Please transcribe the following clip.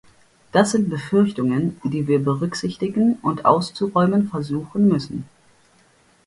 Das sind Befürchtungen, die wir berücksichtigen und auszuräumen versuchen müssen.